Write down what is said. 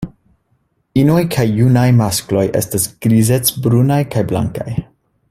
Inoj kaj junaj maskloj estas grizec-brunaj kaj blankaj.